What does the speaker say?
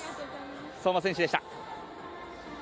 相馬選手でした。